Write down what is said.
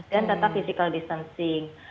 dan tetap physical distancing